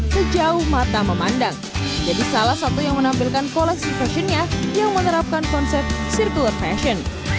sejauh mata memandang jadi salah satu yang menampilkan koleksi fashionnya yang menerapkan konsep circular fashion